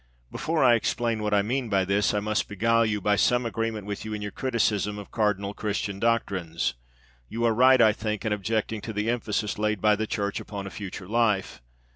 Before I explain what I mean by this I must beguile you by some agreement with you in your criticism of 'cardinal' Christian doctrines! You are right, I think, in objecting to the emphasis laid by the church upon a future life.